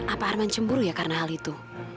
apa arman cemburu ya karena hal itu